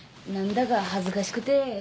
何だか恥ずかしくて。